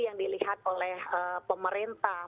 yang dilihat oleh pemerintah